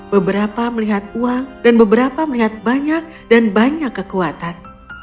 beberapa melihat uang dan beberapa melihat banyak dan banyak kekuatan